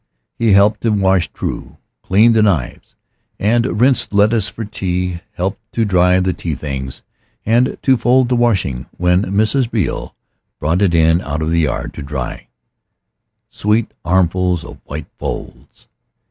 He helped to wash True, cleaned the knives, and rinsed lettuce for tea; helped to dry the tea things, and to fold the washing when Mrs. Beale brought it in out of the yard in dry, sweet armfuls of white folds.